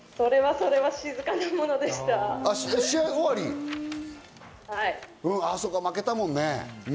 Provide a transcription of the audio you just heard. そうか、負けたもんね。